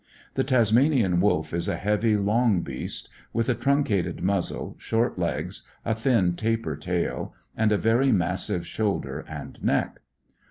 The Tasmanian wolf is a heavy, long beast, with a truncated muzzle, short legs, a thin, taper tail, and a very massive shoulder and neck.